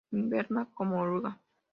Inverna como oruga.